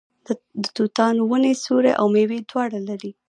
د توتانو ونې سیوری او میوه دواړه لري.